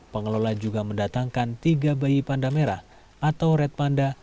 pengelola juga mendatangkan tiga bayi panda merah atau red panda